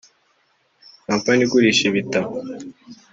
kompanyi igurisha ibitabo